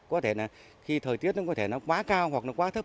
có thể là khi thời tiết nó có thể nó quá cao hoặc nó quá thấp